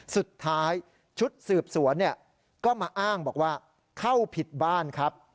สุดท้ายชุดสืบสวนก็มาอ้างบอกว่าเข้าผิดบ้านครับ